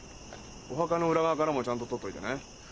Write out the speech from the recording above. お墓の裏側からもちゃんと撮っといてね。